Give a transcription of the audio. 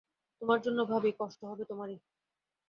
তোমার জন্যে ভাবি, কষ্ট হবে তোমারই।